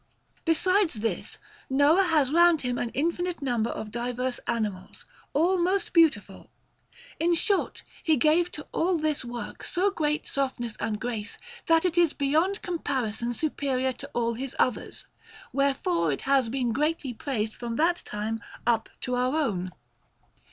Besides this, Noah has round him an infinite number of diverse animals, all most beautiful. In short, he gave to all this work so great softness and grace, that it is beyond comparison superior to all his others; wherefore it has been greatly praised from that time up to our own.